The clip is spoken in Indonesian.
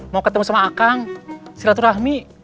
mau ketemu sama akang silaturahmi